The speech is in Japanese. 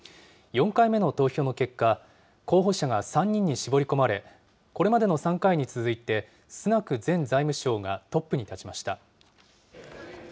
４回目の投票の結果、候補者が３人に絞り込まれ、これまでの３回に続いて、スナク前財務相がトップに立ちました。